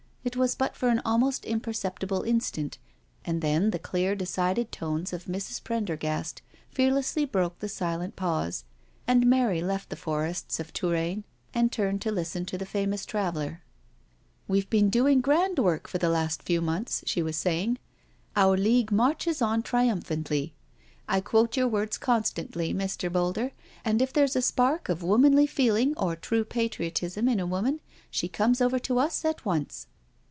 It was but for an almost imperceptible instant, and then the clear, decided tones of Mrs. Prendergast fearlessly broke the silent pause, and Mary left the forests of Touraine and turned to listen to the famous traveller. *' WeVe been doing grand work the last few months,*' she was saying. '* Our league marches on trium phantly! I quote your words constantly, Mr. Boulder, and if there's a spark of womanly feeling or true patriotism in a woman she comes over to us at once."